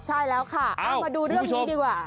ใช่แล้วค่ะเอามาดูเรื่องนี้ดีกว่า